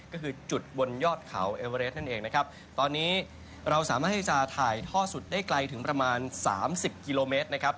ก็คือจุดบนยอดเขาเอเวอเรสนั่นเองนะครับตอนนี้เราสามารถที่จะถ่ายท่อสดได้ไกลถึงประมาณสามสิบกิโลเมตรนะครับ